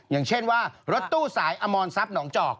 อย่างเช่นว่ารถตู้สายอมรทรัพย์หนองจอก